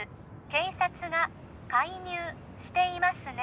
警察が介入していますね？